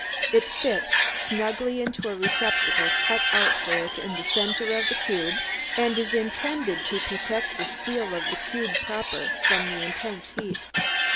It fits snugly into a receptacle cut out for it in the center of the cube, and is intended to protect the steel of the cube proper from the intense heat.